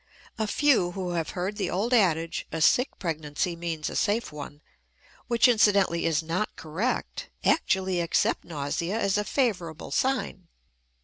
A few who have heard the old adage, "a sick pregnancy means a safe one," which incidentally is not correct, actually accept nausea as a favorable sign.